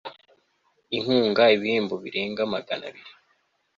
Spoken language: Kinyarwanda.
inkunga ibihembo birenga magana abiri